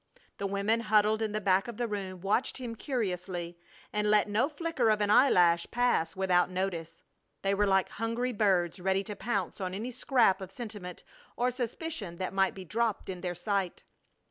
The women huddled in the back of the room watched him curiously and let no flicker of an eyelash pass without notice. They were like hungry birds ready to pounce on any scrap of sentiment or suspicion that might be dropped in their sight.